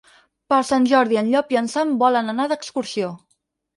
Per Sant Jordi en Llop i en Sam volen anar d'excursió.